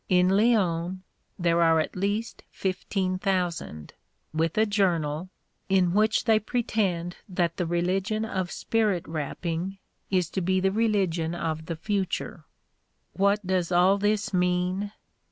In Lyons there are at least fifteen thousand, with a journal, in which they pretend that the religion of Spirit rapping is to be the religion of the future . What does all this mean?